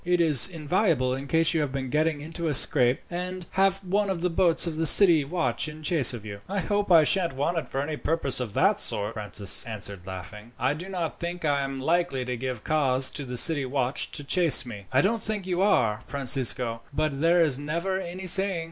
It is invaluable in case you have been getting into a scrape, and have one of the boats of the city watch in chase of you." "I hope I sha'n't want it for any purpose of that sort," Francis answered, laughing. "I do not think I am likely to give cause to the city watch to chase me." "I don't think you are, Francisco, but there is never any saying."